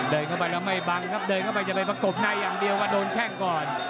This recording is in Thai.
เดินเข้าไปแล้วไม่บังครับเดินเข้าไปจะไปประกบในอย่างเดียวก็โดนแข้งก่อน